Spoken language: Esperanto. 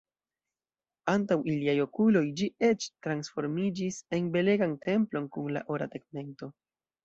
Antaŭ iliaj okuloj ĝi eĉ transformiĝis en belegan templon kun la ora tegmento.